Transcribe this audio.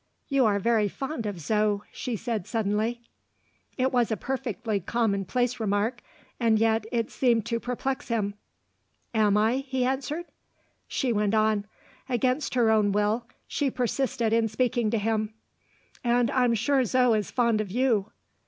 "You are very fond of Zo!" she said suddenly. It was a perfectly commonplace remark and yet, it seemed to perplex him. "Am I?" he answered. She went on. Against her own will, she persisted in speaking to him. "And I'm sure Zo is fond of you."